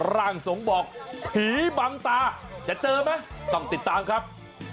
ร่างทรงบอกผีบังตาจะเจอไหมต้องติดตามครับ